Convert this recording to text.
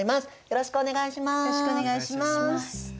よろしくお願いします。